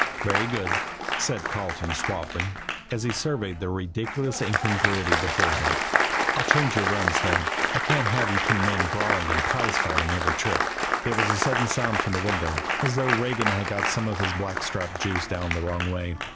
"Very good," said Carleton suavely, as he surveyed the ridiculous incongruity before him. "I'll change your runs, then. I can't have you two men brawling and prize fighting every trip." There was a sudden sound from the window, as though Regan had got some of his blackstrap juice down the wrong way.